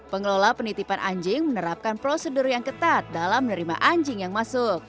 pengelola penitipan anjing menerapkan prosedur yang ketat dalam menerima anjing yang masuk